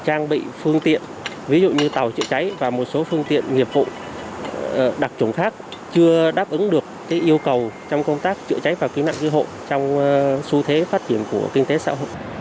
trang bị phương tiện ví dụ như tàu chữa cháy và một số phương tiện nghiệp vụ đặc trùng khác chưa đáp ứng được yêu cầu trong công tác chữa cháy và cứu nạn cứu hộ trong xu thế phát triển của kinh tế xã hội